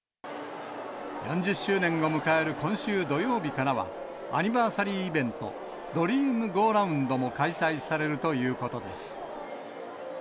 ４０周年を迎える今週土曜日からは、アニバーサリーイベント、ドリームゴーラウンドも開催されるということです。